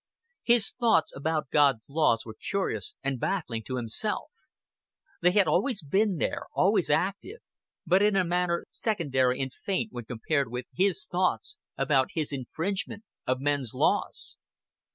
His thoughts about God's laws were curious, and baffling to himself. They had been always there, always active, but in a manner secondary and faint when compared with his thoughts about his infringement of men's laws.